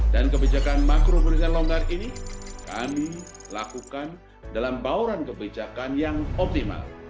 dan kebijakan makro brisel longgar ini kami lakukan dalam bauran kebijakan yang optimal